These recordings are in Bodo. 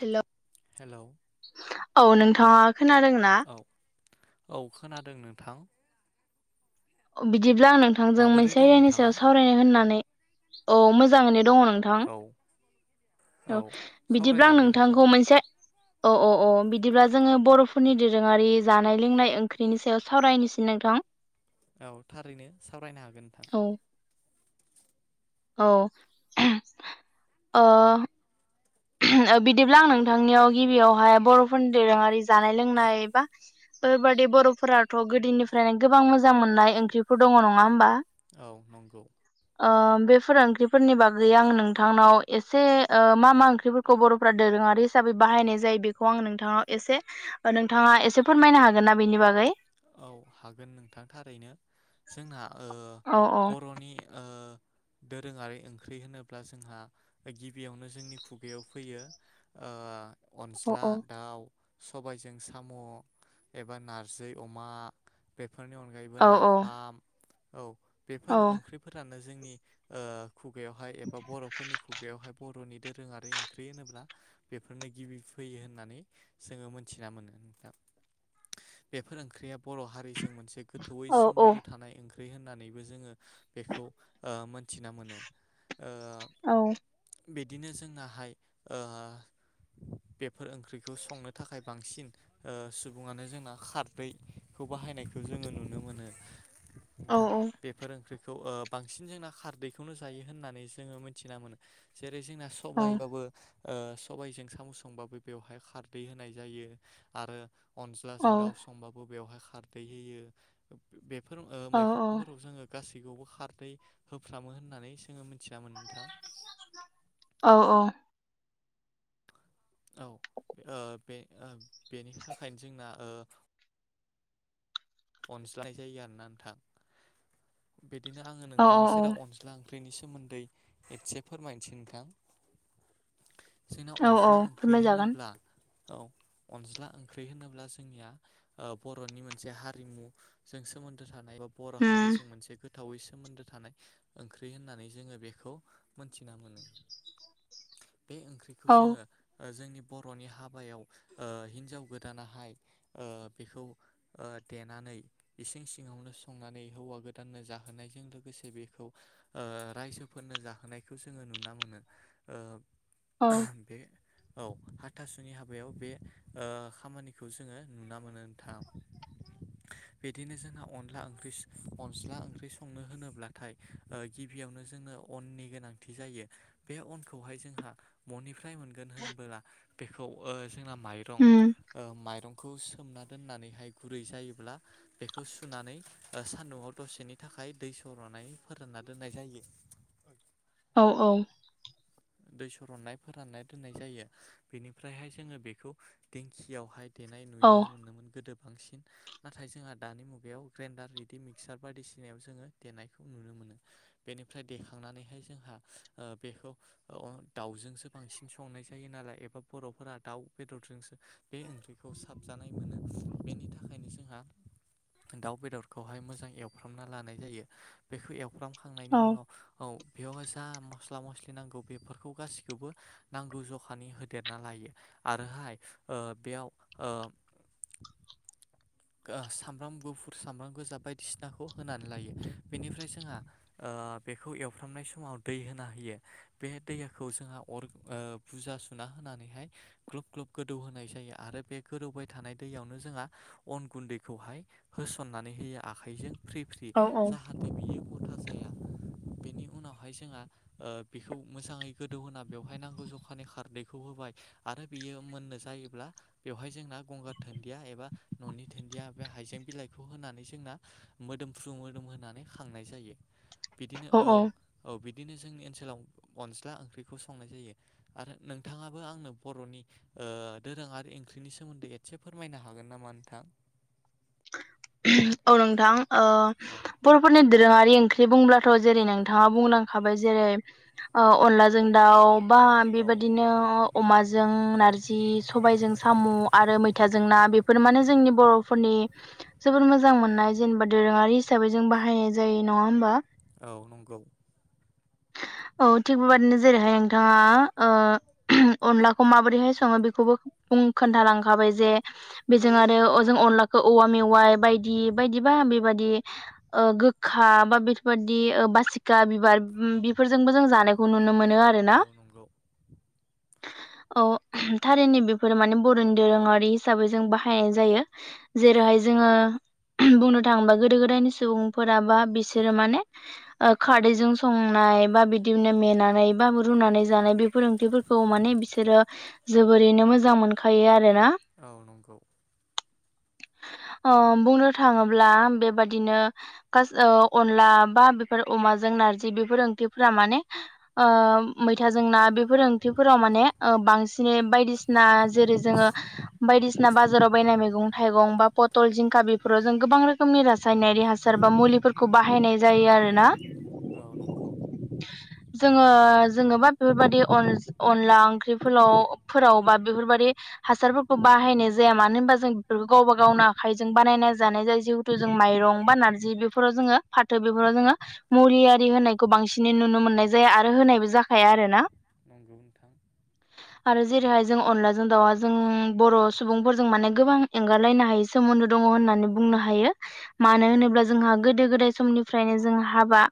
हेल'। हेल'। औ नोंथाङा खोनादोंना औ औ खोनादों नोंथां। बिदिब्ला आं नोंथांजों माबोरै मोनसे दं आयदानि सायाव नोंथाङा सावरायनो होननानै औ मोजाङैनो दङ नोंथां औ औ बिदिब्ला आं सावरायजागोन नोंथां नोंथांखौ मोनसे औ औ औ बिदिब्ला जोङो बर'फोरनि दोरोङारि जानाय लोंनाय ओंख्रिनि सायाव सावरायनोसै नोंथां। [inaudible] औ थारैनो सावरायनो हागोन नोंथां। औ औ ओ बिदिब्ला आं नोंथांनियाव गिबियावहाय बर'फोरनि दोरोङारि जानाय लोंनाय बा बेफोरबायदि बर'फोराथ' गोदोनिफ्रायनो गोबां मोजां मोननाय ओंख्रिफोर दङ नङा होमबा? औ नंगौ। ओ बेफोर ओंख्रिफोरनि बागै आं नोंथांनाव एसे मा मा ओंख ख्रिफोरखौ बर'फ्रा दोरोङारि हिसाबै बाहायनाय जायो बेखौ आं नोंथाङा एसे नोंथाङा एसे फोरमायना हागोन ना बेनि बागै? औ हागोन नोंथां। थारैनो जोंना ओ औ बर'नि ओ दोरोङारि ओंख्रि होनोब्ला जोंहा गिबियावनो जोंनि खुगायाव फैयो। ओ [inaudible] औ अनज्ला औ दाउ सबायजों साम' एबा नारजै अमा बेफोरनि अनगायैबो औ नाफाम औ औ बेफोर ओंख्रिफोरा नो जोंनि ओ खुगायावहाय एबा बर'फोरनि खुगायाव बर'नि दोरोङारि ओंख्रि होनोब्ला बेफोरनो गिबि फैयो होननानै जोङो मोनथिना मोनो नोंथां? [inaudible] बेफोर ओंख्रिया बर' हारिजों मोनसे गोथौयै औ सोमोन्दो थानाय ओंख्रि। ख्रै होननानैबो जोङो ओ बेखौ मोनथिना मोनो। ओ औ। बिदिनो जोंनाहाय ओ बेफोर ओंख्रिखौ संनो थाखाय बांसिन ओ सुबुङानो जोंना खार रै खौ बाहायनायखौ जोङो नुनो मोनो नोंथां। औ बेफोर ओंख्रि खौ ओ बांसिन जोंना खारदैखौनो जायो होननानै जोङो मिथिना मोनो। जे रै जोंना औ सबायबाबो ओ सबायजों साम' संबाबो बेवहाय खारदै होनाय जायो। आरो अनज्लाजों दाउ सबाबो बेवहाय खारदै होयो। बेफोर ओ मैखंफोराव जोङो गासैखौबो खारदै होफ्रामो होननानै जोङो मोन थिना मोनो नोंथां। औ औ ओ बे ओ बेनि थाखायनो जोंना ओ अनज्लाय जायो आरोना नोंथां। बिदिनो आङो औ नोंथांनि सेराव अनज्ला ख्रिनि सोमोन्दै एसे फोरमायनोसै नोंथां। जोंना औ अनज्ला ओंख्रि फोरमायजागोन होनोब्ला औ अनज्ला ओंख्रि होनोब्ला जोंनिया ओ बर'नि मोनसे हारि रिमुजों सोमोन्दो थानाय बा बर' उम हारिजों मोनसे गो थौवै सोमोन्दो थानाय ओंख्रि होननानै जोङो बेखौ मोनथिना मोनो। [inaudible] बे ओंख्रिखौ औ जोङो ओ जोंनि बर'नि हाबायाव ओ हिन्जाव गोदानाहाय ओ बेखौ ओ देनानै इसिं सिङावनो संनानै हौवा गोदाननो जाहोनायजों लोगोसे बेखौ ओ ओ रायजोफोरनो जाहोनायखौ जोङो नुना मोनो। ओ औ बे औ हाथासुनि हाबायाव बे ओ खामानिखौ जोङो नुना मोनो नोंथां। [inaudible] बिदिनो जोंहा अनला ओंख्रि अनज्ला ओंख्रि संनो होनोब्लाथा ओ गिबियावनो जों नो अननि गोनांथि जायो बे अनखौहाय जोंहा बनि फ्राय मोनगोन होनबोला बेखौ ओ जोंना माइरं उम ओ माइरंखौ सोमना दोननानैहाय। गुरै जायोब्ला बेखौ सुनानै ओ सान्दुंआव दसेनि थाखाय दै सर'नानै फोरान ना दोननाय जायो। औ औ। दै सननाय फोराननाय दोननाय जायो बेनिफ्रायहाय जोङो बेखौ दिंखियावहाय देनाय औ नुयनो मोनदोंमोन गोदो। बांसिन नाथाय जोंहा दानि मुगायाव ग्रेन्डार रेदि मिक्सार बायदिसिनायाव जोङो देनायखौ नुनो मोनो। बिनिफ्राय देखांनानैहाय जोंहा ओ बेखौ औ दाउजोंसो बांसिन संनाय जायोऋ नालाय एबा बर'फोरा दाउ बेदरजोंसो बे ओंख्रिखौ साबजानाय मोनो बेनि थाखायनो जोंहा दाउ बेदरखौहाय मोजां एव फ्रामना लानाय जायो बेखौ एवफ्रामखांनायनि उनाव औ बेयावहाय जा मस्ला मस्लि नांगौ बेफोरखौ गाखौबो नांगौ जखानि होदेरना लायो आरोहाय ओ बेयाव औ सामब्राम गुफुर सामब्राम गोजा बायदिसिनाखौ होनानै लायो बेनिफ्राय जोंहा ओ बेखौ एवफ्रामनाय समाव दै होना होयो। बे दैयाखौ जोंहा अर बुजा सुना होनानैहाय ग्लब ग्लब गोदौ होनोनाय जायो आरो ओमफ्राय बे गोरौबाय थानाय दैयावनो जोंहा अन गुन्दैखौहाय होसननानै होयो आखाइजों फ्रि फ्रि औ औ जाहाथे बियो अथा जाया बेनि उनावहाय जोंहा बेखौ मोजाङै गोदौहोना बेवहाय नांगौ जखानि खारदैखौ होबाय आरो बियो मोननो जायोब्ला बेवहाय जोंना गंगार दोनन्दिया एबा न'नि दोनन्दिया बे हाइजें बिलाइखौ होनानै जोंना मोदोमफ्रु मोदोम होनानै खांनाय जायो बिदिनो औ औ बिदिनो जोंनि ओनसोलाव अनज्ला ओंख्रिखौ संनाय जायो आरो नोंथाङाबो आंनो बर'नि ओ दोरोङारि ओंख्रिनि सोमोन्दै एसे फोरमायनो हागोन नामा नोंथां? औ नोंथां ओ औ बर'फोरनि दोरोङारि ओंख बुंब्लाथ' जेरै नोंथाङा बुंलांखाबाय जेरै अनलाजों दाउ बा बेबदिनो अमा जों नारजि सबायजों साम' आरो मैथाजों ना बेफोर माने जोंनि बर'फोरनि जोबोर मोजां मोननाय जेनेबा दोरोङारि हिसाबै जों बाहायनाय जायो नङा होमबा? औ नंगौ औ थिग बेबादिनो जेरैहाय नोंथाङा ओ अनलाखौ माबोरैहाय सङो बेखौबो बुं खोनथालांखाबाय जे बेजों आरो अजों अनलाखौ औवा मेवाय बायदि बायदिबा बेबदि गोखा बा बेफोरबायाददि बासिखा बिबार बेफोरजोंबो जों जानायखौ नुनो मोनो आरोना औ नंगौ औ थारैनो बेफोरो माने बर'नि दोरोङारि हिसाबै जों बाहायनाय जायो जेरै ओमाय जोङो बुंनो थाङोबा गोदो गोदायनि सुबुंफोराबा बिसोरो माने खारदैजों संनाय बा बिदिनो मेनानै बा रुनानै जानाय बे फोरोंथिफोरखौ माने बिसोरो जोबोरैनो मोजां मोनखायो आरोना औ नंगौ अ बुंनो थाङोब्ला बेबादिनो अनला बा बेफोर अमाजों नारजि बे बे ओंथिफोरा माने ओ मैथा जोंना बेफोर ओंथिफोराव माने बांसिनै बायदिसिना जेरै जोङो बायदिसिना बाजाराव बायनाय मैगं थाइगं बा पटल जिंखा बेफोर फोराव जों गोबां रोखोमनि रासायनारि हासार बा मुलिफोरखौ बाहायनाय जायो आरो ना औ नंगौ जोङो जोङबा बेफोरबदि अनल-अनला ओंख्रिफोरलाव फोराव बा बेफोरबाददि हासारफोरखौ बाहायनाय जाया मानो होन जों बेफोरखौ गावबा गावनो आखाइजों बानायना जानाय जाय जिहेथु जों माइरं बा नारजि बेफोराव जोङो फाथो बेफोराव जोङो मुरि आरि होनायखौ बां बांसिनै नुनो मोननाय जाया आरो होनायबो औ जाखाया आरोना नंगौ नोंथां आरो जेरैहाय जों अनलाजों दाउआ जों बर' सुबुंफोरजों माने गोबां एंगारलायनो हायै सोमोन्दो दं होननानै बुंनो हायो मानो औ होनोब्ला जोंहा गोदो गोदाय समनिफ्रायनो जों हाबा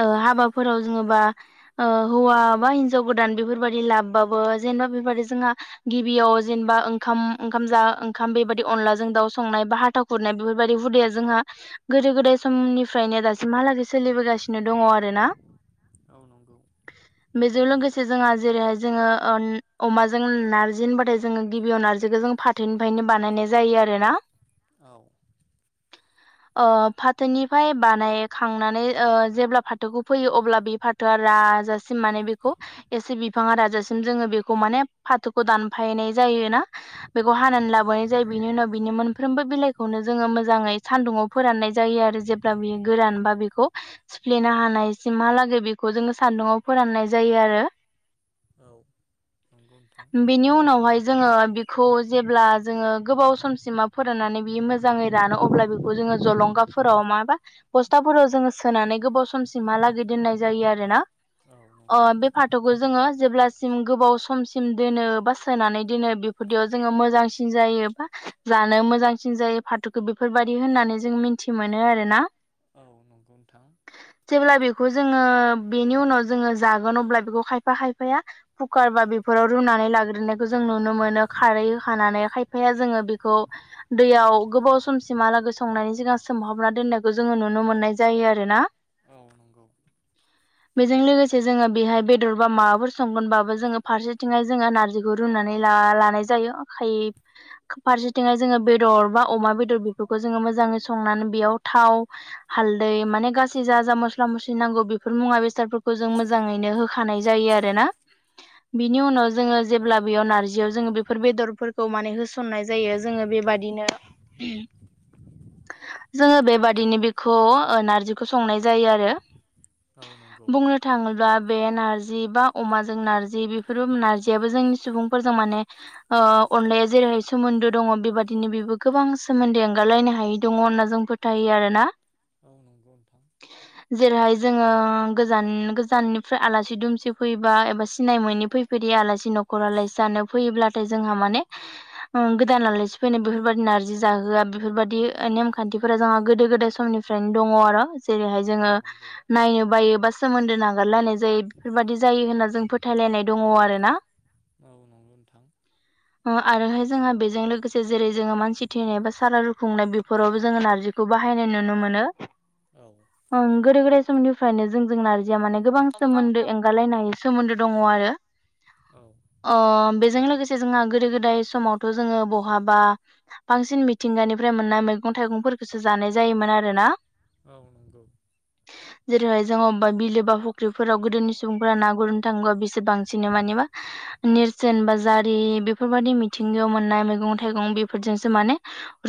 ओ हाबाफोराव जोङोबा ओ हौवा बा हिनजाव गोदान बेफोरबायदि लाबबाबो जेने बेबादि जोंहा गिबियाव जेनबा ओंखाम ओंखाम जा ओंखाम बेबादि अनलाजों दाव सं संनाय बा हाथा खुरनाय बेफोरबायदि हुदाया जोंहा गोदो गोदाय समनिफ्रायनो दासिमहालागै सोलिबोगा सिनो दङ आरो ना औ नंगौ लोगोसे जोंहा जेरैहाय जोङो अमाजों नारजि होनबाथाय जोङो गिबियाव नारजिखो जों फाथैनिफायनो बानायनाय जायो आरोना। औ [inaudible] अ फाथोनिफाय बानायखांनानै ओ जेब्ला फाथोखौ फैयो अब्ला बे फाथोआ रा आजासिम माने बेखौ एसे बिफाङा राजासिम जोङो बेखौ माने फाथोखौ दानफायनाय जायोना। बेखौ औ हानानै नंगौ लाबोनाय जायो बिनि उनाव बिनि मोन बिलाइखौनो जोङो मोजाङै सान्दुंवाव फोराननाय जायो आरो जेब्ला बेयो गोरानबा बेखौ सिफ्लेना हानायसिम हालागै बेखौ जोङो सान्दुंवाव फोराननाय जायो आरो। औ नंगौ नोंथां बेनि उनावहाय जोङो बेखौ जेब्ला जोङो गोबाव समसिमा फोराननानै बियो मोजाङै रानो अब्ला बेखौ जोङो जलंगाफोराव माबा बस्थाफोराव जोङो सोनानै गोबाव समसिमहालागै दोननाय जायो आरोना। औ नंगौ अ बे फाथोखौ जोङो जेब्ला सिम गोबाव समसिम दोनो बा सोनानै दोनो बेफोरदियाव जोङो मोजांसिन जायो बा जानो मोजांसिन जायो फाथोखौ बेफोरबायदि होननानै जों मिनथि मोनो आरोना। औ नंगौ नोंथां जेब्ला बेखौ जोङो बेनि उनाव जोङो जागोन अब्ला बेखौ खायफा खायफाया फुकार बा बेफोराव रुनानै लाग्रोननायखौ जों नुनो मोनो खारै होखानानै खायफाया जोङो बे खौ दैयाव गोबाव समसिमहालागै संनायनि सिगां सोमहाबना दोननायखौ जोङो नुनो मोननाय जायो आरोना। औ नंगौ बेजों लोगोसे जोङो बेहाय बेदर बा माबाफोर संगोनबाबो जोङो फारसेथिंहाय जोङो नारजिखौ रुना नै ला- लानाय जायो [unintelligible] फारसेथिंहाय जोङो बेदर बा अमा बेदर बेफोरखौ जोङो मोजाङै संनानै बेयाव थाव हालदै माने गासै जा जा मस्ला मस्लि नांगौ बेफोर मुवा बेसादफोर खौ जों मोजाङैनो होखानाय जायो आरोना। बिनि उनाव जोङो औ जेब्ला बेयाव नारजियाव जोङो बेफोर बेदरफोरखौ माने होसननाय जायो जोङो बेबादिनो जोङो बेबादिनो बेखौ नारजिखौ संनाय जायो आरो। औ नंगौ बुंनो थाङोब्ला बे नारजि बा अमाजों नारजि बेफोर नारजियाबो जोंनि सुबुंफोरजों माने ओ अनलाया जेरै सोमोन्दो दङ बेबादिनो बेबो गोबां सोमोन्दै एंगारलायनो हायै दङ होनना जों फोथायो आरोना। औ नंगौ नोंथां। जेरैहाय जोङो गोजान गोजाननिफ्राय आलासि दुमसि फैबा एबा सिनाय मोनि फैफेरि आलासि न' [unintelligible] जानो फैयोब्लाथाय जोंहा माने गोदान आलासि फैनाय बेफोरबादि नारजि जाहोआ बेफोरबादि नेमखान्थिफोरा जोंहा गोदो गोदाय समनिफ्राय नो दङ आरो। जेरैहाय औ जोङो नंगौ नायनो बायो बा सोमोन्दो नागारलायनाय जायो बेफोरबादि जायो होनना जों फोथायलायनाय दङ आरो ना। औ नंगौ नोंथां। अ आरोहाय जोंहा बेजों लोगोसे जेरै जोङो मानसि थैनाय बा सारादु खुंनाय बेफोरावबो जोङो नारजिखौ बाहायनाय नुनो मोन नो औ ओं गोदो गोदाय समनिफ्रायनो जोंजों नार जिया गोबां सोमोन्दो एंगालायनाय सोमोन्दो दङ आरो। औ अ बे जों लोगोसे जोंहा गोदो गोदाय समाव थ' जोङो बहाबा बांसिन मिथिंगानिफ्राय मोननाय मैगं थाइगंफोरखौसो जानाय जायोमोन आरोना। औ नोंगौ। जेरैहाय जों अबबा बिलो बा फुख्रिफोराव गोदोनि सुबुंफोरा ना गुरनो थाङोबा बिसोर बांसिनो मानि मा नेरसोन बाजारि बेफोरबायदि मिथिं गायाव मोननाय मैगं थाइं बेफोरजोंसो माने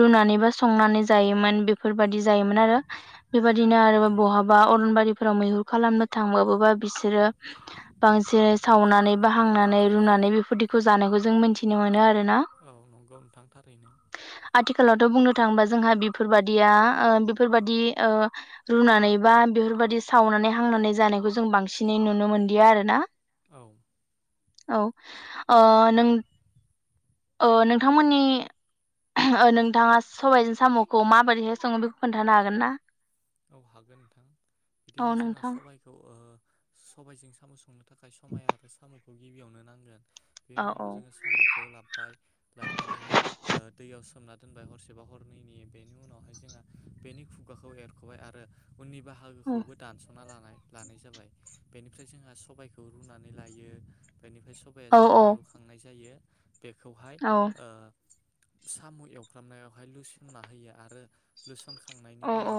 रुनानै बा संनानै जायोमोन बेफोरबादि जायोमोन आरो बेबायदिनो आरो नंगौ बा अनबारि फोराव मैहुर खालामनो थांबाबोबा बिसोरो बांसिनै सावनानै बा हांनानै रुनानै बेफोर खौ जानायखौ जों मोनथिनो मोनो आरो। औ नंगौ नोंथां थारैनो। आथिखालावथ' बुंनो थाङोबा जोंहा बेफोरबायदिया ओ बेफोरबायदि ओ रुनानै बा बेफोरबायदि सावनानै हांनानै जानायखौ जों बांसिनै नुनो मोनदिया आरो ना। औ। औ ओ नों ओ नोंथांमोननि। नोंथाङा सबायजों साम'खौ माबोरैहाय सङो बेखौ खोन्थानो हागोन ना? औ हागोन नोंथां औ बिदिनो जोंना नोंथां सबायखौ ओ सबायजों साम' संनो थाखाय समाय आरो साम'खौ गिबियावनो नांगोन। औ बेनि औ उनाव जोङो साम'खौ लाबोबाय लाबानैहाय ओ दैयाव सोमना दोनबाय हरसेबा हरनैनि बेनि उनावहाय जोंहा बेनि खुगाखौ एरख'बाय आरो उननि औ बाहागोखौबो दानस'ना लानाय। लानाय जाबाय बेनिफ्राय जोंहा सबायखौ रुनानै लायो। बेनिफ्राय सबाया औ जेब्ला रुखांनाय जायो। बेखौहाय औ ओ साम' एवफ्रामनायावहाय लुसेमना होयो आरो लुसनखांनायनि उनाव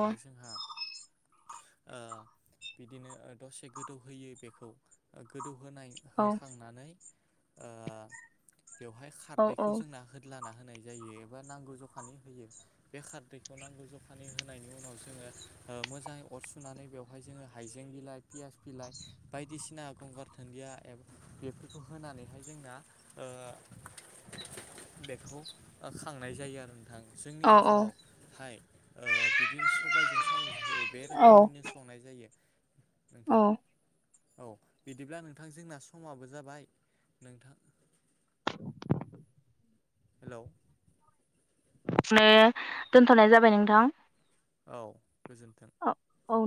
ओ बिदिनो ओ दसे गोदौ होयो बेखौ ओ गो दौ होनाय औ होखांनानै ओ बेवहाय औ खारदैखौ औ जोंना होदलाना हो नाय जायो एबा नांगौ जखानि होयो बे खारदैखौ नांगौ जखानि होननि उ नाव मोजाङै ओ अर सुनानै बेहाय जो हाइें बिलाइ पियास बिलाय बायदिसिना ना गंगार दोनदिया एब बेफोरखौ होनानैहाय जोंना ओ बेखौ ओ खांनाय जायो आरो नोंथां जोंनि औ ओनसोलावहाय ओ बिदि सबायजों साम'जों औ बे रोखोमनिनो संनाय जायो औ। नोंथां। औ बिदिब्ला नोंथां जोंना समाबो जाबाय नोंथां। हेलौ। इदिनो दोनथ'नाय जाबाय नोंथां। औ गोजोन्थों। औ औ।